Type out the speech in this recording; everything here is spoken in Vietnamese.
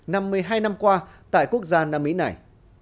năm mươi hai năm qua tại quốc gia nam mỹ này